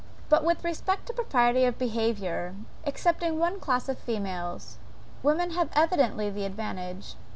But, with respect to propriety of behaviour, excepting one class of females, women have evidently the advantage.